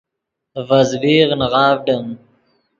ڤے زبیغ نغاڤڈیم